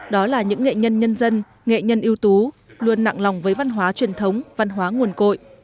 đó là những nghệ nhân nhân dân nghệ nhân yếu tố luôn nặng lòng với văn hóa truyền thống văn hóa nguồn cội